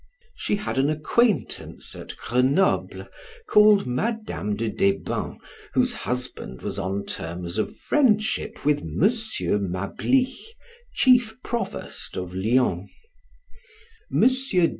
She had an acquaintance at Grenoble, called Madam de Deybens, whose husband was on terms of friendship with Monsieur Malby, chief Provost of Lyons.